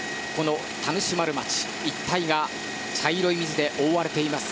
田主丸町一帯が茶色い水で覆われています。